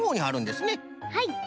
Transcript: はい。